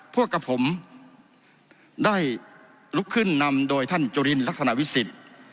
พวกกับผมได้ลุกขึ้นนำโดยท่านจุลินลักษณะวิสิทธิ์